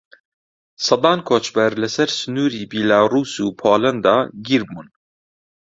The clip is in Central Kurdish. سەدان کۆچبەر لەسەر سنووری بیلاڕووس و پۆلەندا گیر بوون.